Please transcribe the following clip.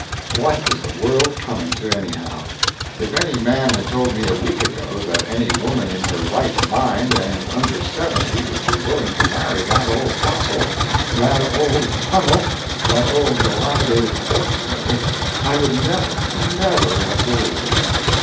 What is the world coming to, anyhow? If any man had told me a week ago that any woman in her right mind and under 70 would be willing to marry that old fossil!—that old tunnel—that old dilapidated quartz mill—I would never, never have believed it.